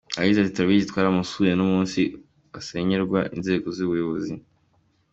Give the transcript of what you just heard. Yagize ati “Turabizi twaramusuye n’umunsi asenyerwa n’inzego z’ubuyobozi.